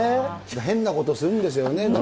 変なことするんですよね。